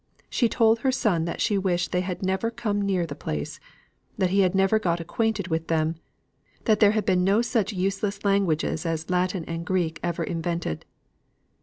She told her son that she wished they had never come near the place; that he had never got acquainted with them; that there had been no such useless languages as Latin and Greek ever invented.